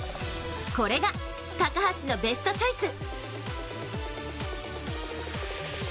これが高橋のベストチョイス。